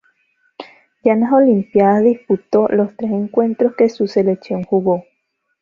Ya en las Olimpíadas, disputó los tres encuentros que su selección jugó.